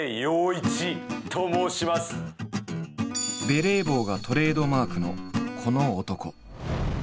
ベレー帽がトレードマークのこの男。